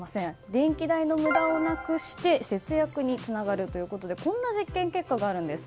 電気代の無駄をなくして節約につながるということでこんな実験結果があります。